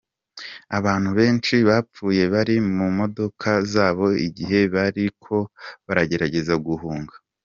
Abantu benshi bapfuye bari mu modoka zabo igihe bariko baragerageza guhunga.